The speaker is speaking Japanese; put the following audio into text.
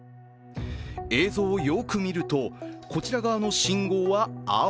映像をよく見ると、こちら側の信号は青。